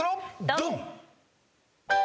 ドン！